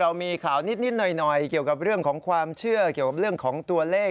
วันศุกร์ใช่ไหมแล้วก็จะมีความสุขกับเรื่องของตัวเลข